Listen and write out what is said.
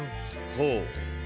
ほう。